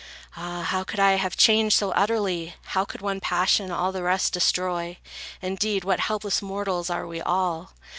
Ah! how could I have changed so utterly? How could one passion all the rest destroy? Indeed, what helpless mortals are we all!